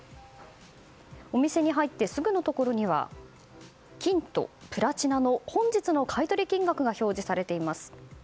お店に入ってすぐのところには金とプラチナの本日の買い取り金額が表示されています。